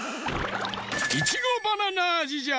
いちごバナナあじじゃ！